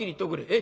え？